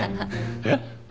えっ？